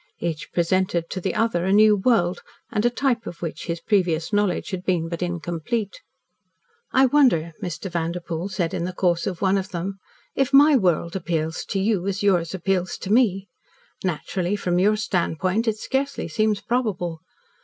Each presented to the other a new world, and a type of which his previous knowledge had been but incomplete. "I wonder," Mr. Vanderpoel said, in the course of one of them, "if my world appeals to you as yours appeals to me. Naturally, from your standpoint, it scarcely seems probable.